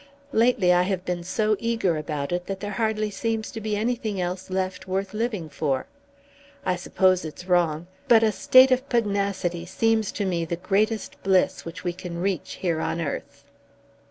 Lately I have been so eager about it, that there hardly seems to be anything else left worth living for. I suppose it's wrong, but a state of pugnacity seems to me the greatest bliss which we can reach here on earth."